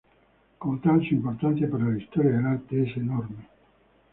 Como tal, su importancia para la historia del arte es enorme.